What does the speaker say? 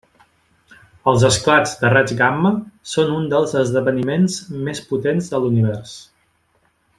Els esclats de raigs gamma són un dels esdeveniments més potents de l'univers.